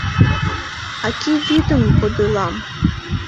- Аки-вӱдым подылам.